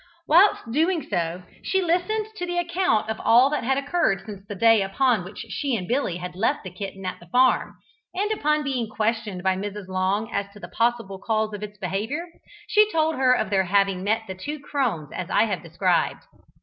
Whilst doing so, she listened to the account of all that had occurred since the day upon which she and Billy had left the kitten at the farm, and, upon being questioned by Mrs. Long as to the possible cause of its behaviour, she told her of their having met the two crones as I have described.